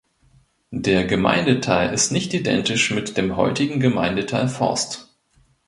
Der Gemeindeteil ist nicht identisch mit dem heutigen Gemeindeteil Forst.